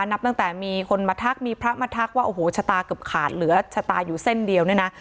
นับตั้งแต่มีคนมาทักมีพระมาทักว่าโอ้โหชะตาเกือบขาดเหลือชะตาอยู่เส้นเดียวเนี่ยนะ